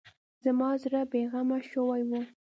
زما زړه بې غمه شوی و.